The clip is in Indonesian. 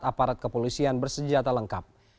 aparat kepolisian bersejata lengkap